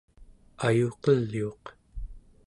ayuqeliuq